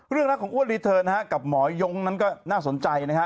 เรื่องรักของอ้วนรีเทิร์นกับหมอโย้งนั้นก็น่าสนใจนะฮะ